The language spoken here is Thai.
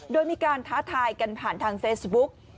โดยมีการท้าทายกันผ่านทางเฟซบุ๊ก